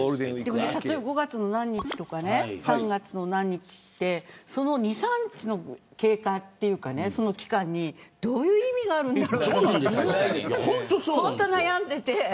５月の何日とか３月の何日ってその２、３日の経過というかその期間にどういう意味があるんだろう。